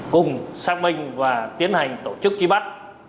cùng xác minh và tiến hành tổ chức truy bắt